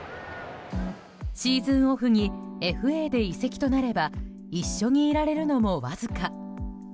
シーズンオフにＦＡで移籍となれば一緒にいられるのもわずか。